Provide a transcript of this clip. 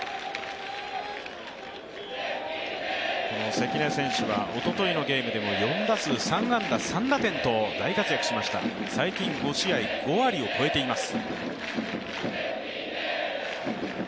関根選手はおとといのゲームでも４打数３安打３打点と大活躍しました最近５試合、５割を超えています。